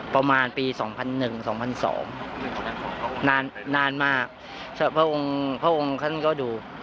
ประมาณปี๒๐๐๑๒๐๐๒นานนานมากพระองค์พระองค์ท่านก็ดู